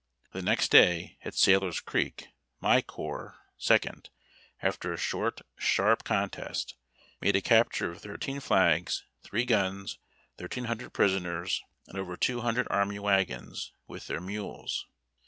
The next day, at Sailor's Creek, my corps (Second), after a short, sharp con test, made a capture of thirteen flags, three guns, thirteen hundred prisoners, and over two hundred army wagons, with their mules.